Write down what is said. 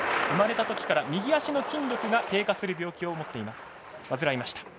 生まれたときから右足の筋力が低下する病気を患いました。